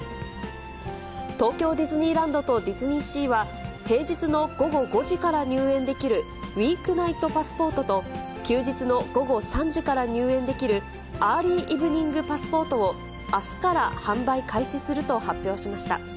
東京ディズニーランドとディズニーシーは、平日の午後５時から入園できるウィークナイトパスパートと、休日の午後３時から入園できるアーリーイブニングパスポートを、あすから販売開始すると発表しました。